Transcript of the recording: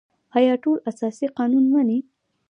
آیا ټول اساسي قانون مني؟